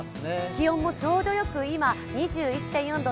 気温もちょうどよく今、２１．４度。